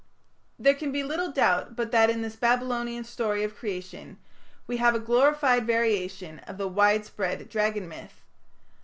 There can be little doubt but that in this Babylonian story of Creation we have a glorified variation of the widespread Dragon myth.